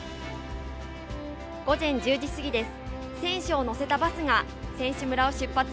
午前１０時過ぎです。